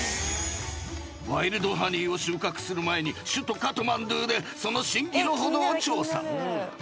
［ワイルドハニーを収穫する前に首都カトマンズでその真偽の程を調査］